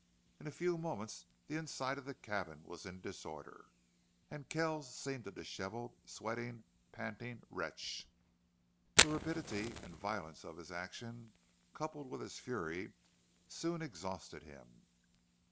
In a few moments the inside of the cabin was in disorder and Kells seemed a disheveled, sweating, panting wretch. The rapidity and violence of his action, coupled with his fury, soon exhausted him.